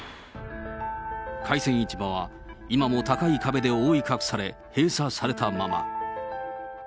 海鮮市場は今も高い壁で覆い隠され、閉鎖されたまま。